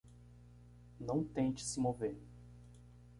Não tente se mover.